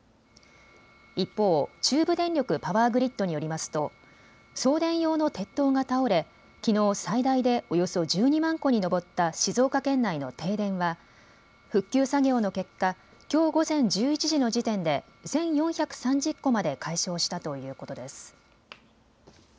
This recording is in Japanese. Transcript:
一方、中部電力パワーグリッドによりますと送電用の鉄塔が倒れきのう最大でおよそ１２万戸に上った静岡県内の停電は復旧作業の結果、きょう午前１１時の時点で１４３０戸まで解消したということです。